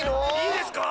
いいですか？